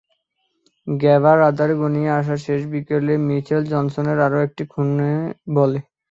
গ্যাবার আঁধার ঘনিয়ে আসা শেষ বিকেলে মিচেল জনসনের আরও একটা খুনে বল।